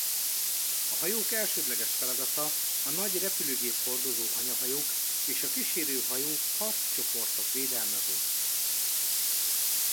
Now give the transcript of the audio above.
A hajók elsődleges feladata a nagy repülőgép-hordozó anyahajók és kísérő hajó-harccsoportok védelme volt.